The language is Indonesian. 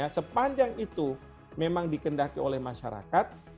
sepanjang itu memang dikendaki oleh masyarakat